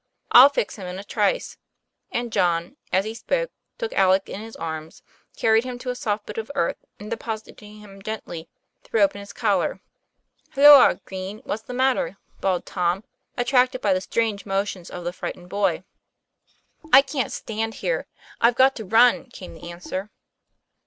"I'll fix him in a trice." And John, as he spoke, too4c Alec in his arms, carried him to a soft bit of earth, and depositing him gently, threw open his collar. 'Halloa, Green, what's the matter ?" bawled Tom, attracted by the strange motions of the frightened boy. io6 TOM PLA YFAIR. "I can't stand here; I've got to run," came the answer.